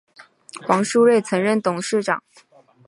黄书锐曾任董事长。